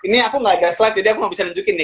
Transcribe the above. ini aku nggak ada slide jadi aku mau bisa nunjukin nih